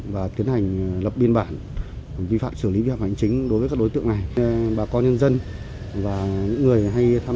và tiến hành lập biên bản xử lý vi phạm hành chính đối với các đối tượng này